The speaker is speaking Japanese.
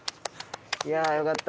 いやあよかった。